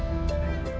ini udah berapa